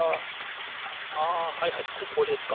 あはいはいここですか。